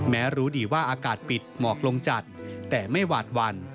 รู้ดีว่าอากาศปิดหมอกลงจัดแต่ไม่หวาดวัน